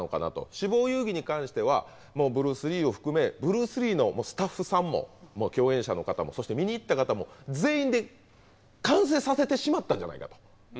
「死亡遊戯」に関してはもうブルース・リーを含めブルース・リーのスタッフさんも共演者の方もそして見に行った方も全員で完成させてしまったんじゃないかと。